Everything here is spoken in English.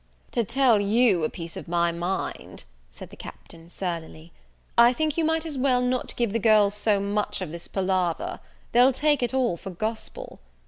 "To tell you a piece of my mind," said the Captain, surlily, "I think you might as well not give the girls so much of this palaver; they'll take it all for gospel.